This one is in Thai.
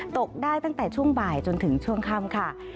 ตกได้ตั้งแต่ช่วงบ่ายจนถึงช่วงค่ำค่ะ